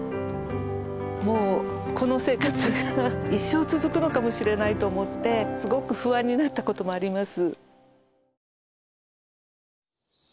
もうこの生活が一生続くのかもしれないと思ってすごく不安になったこともあります。